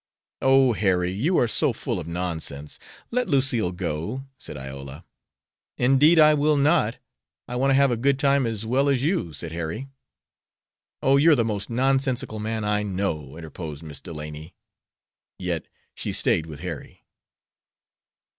"Oh, Harry, you are so full of nonsense. Let Lucille go!" said Iola. "Indeed I will not. I want to have a good time as well as you," said Harry. "Oh, you're the most nonsensical man I know," interposed Miss Delany. Yet she stayed with Harry.